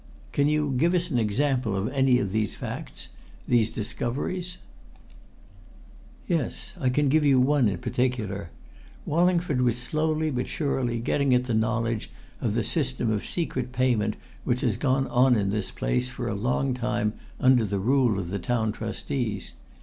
"Can you give us an example of any of these facts these discoveries?" "Yes, I can give you one in particular. Wallingford was slowly but surely getting at the knowledge of the system of secret payment which has gone on in this place for a long time under the rule of the Town Trustees.